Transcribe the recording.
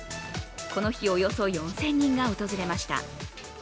この日、およそ４０００人が訪れました。